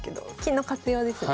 金の活用ですね。